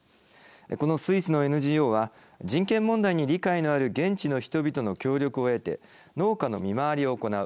このスイスのＮＧＯは人権問題に理解のある現地の人々の協力を得て農家の見回りを行う。